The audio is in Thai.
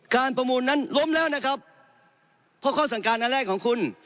ประมูลนั้นล้มแล้วนะครับเพราะข้อสั่งการอันแรกของคุณ